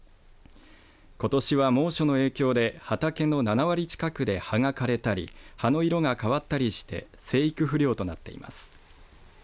ことしは猛暑の影響で畑の７割近くで葉が枯れたり葉の色が変わったりして生育不良となっています。